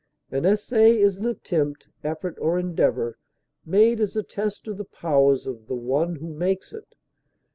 An essay is an attempt, effort, or endeavor made as a test of the powers of the one who makes it.